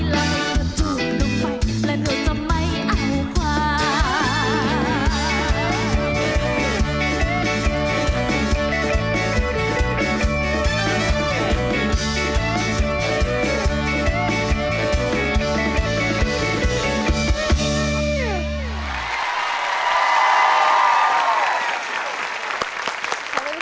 และหนูจะไม่อหมูวา